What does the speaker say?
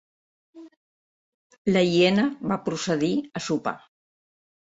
La hiena va procedir a sopar.